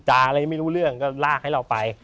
อะไรไม่รู้เรื่องก็ลากให้เราไป